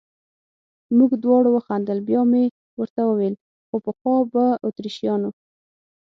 موږ دواړو وخندل، بیا مې ورته وویل: خو پخوا به اتریشیانو.